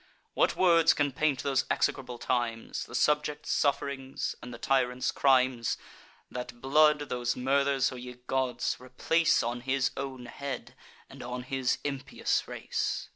What words can paint those execrable times, The subjects' suff'rings, and the tyrant's crimes! That blood, those murders, O ye gods, replace On his own head, and on his impious race!